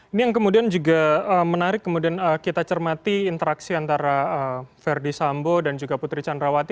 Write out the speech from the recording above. ini yang kemudian juga menarik kemudian kita cermati interaksi antara verdi sambo dan juga putri candrawati